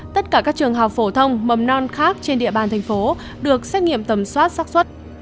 tất cả các trường học phổ thông mầm non khác trên địa bàn thành phố được xét nghiệm tầm soát sắc xuất